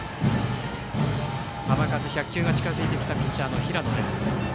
球数１００球が近づいてきたピッチャーの平野。